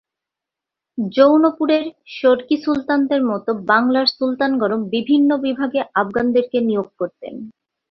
জৌনপুরের শর্কী সুলতানদের মতো বাংলার সুলতানগণও বিভিন্ন বিভাগে আফগানদেরকে নিয়োগ করতেন।